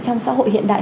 trong xã hội hiện đại